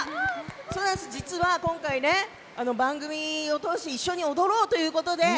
実は今回、番組を通し一緒に踊ろうということで。